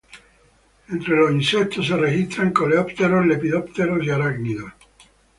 Entre los insectos se registran coleópteros, lepidópteros y arácnidos.